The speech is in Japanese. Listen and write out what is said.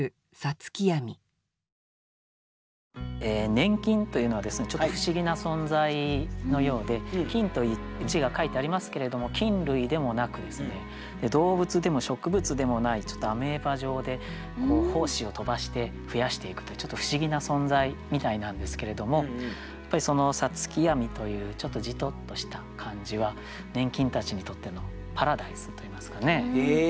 「粘菌」というのはちょっと不思議な存在のようで「菌」という字が書いてありますけれども菌類でもなく動物でも植物でもないアメーバ状で胞子を飛ばして増やしていくというちょっと不思議な存在みたいなんですけれどもやっぱり五月闇というちょっとじとっとした感じは粘菌たちにとってのパラダイスといいますかね。